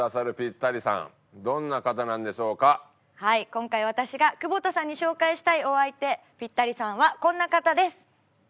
今回私が久保田さんに紹介したいお相手ピッタリさんはこんな方です。